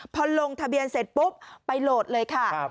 พอลงทะเบียนเสร็จปุ๊บไปโหลดเลยค่ะ